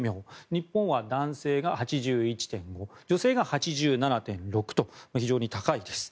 日本は男性が８１．５女性が８７．６と非常に高いです。